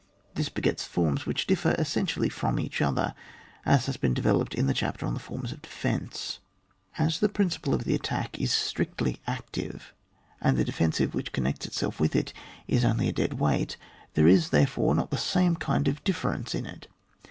This begets forms which differ essentially from each other, as has been developed in the chapter on the forms of defence. As the principle of the attack is strict^ active, and the defensive, which connects itself with it, is only a dead weight; there is, therefore, not the same kind of difference in it.